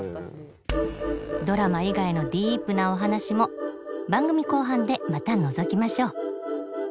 ドラマ以外のディープなお話も番組後半でまたのぞきましょう。